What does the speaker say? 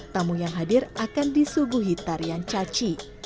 tamu yang hadir akan disuguhi tarian caci